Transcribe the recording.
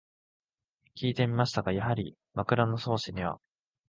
きいてみましたが、やはり「枕草子」には